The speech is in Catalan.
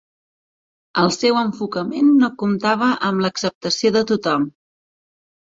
El seu enfocament no comptava amb l'acceptació de tothom.